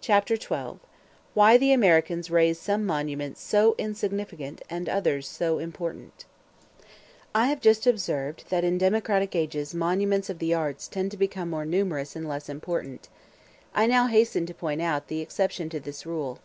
Chapter XII: Why The Americans Raise Some Monuments So Insignificant, And Others So Important I have just observed, that in democratic ages monuments of the arts tend to become more numerous and less important. I now hasten to point out the exception to this rule.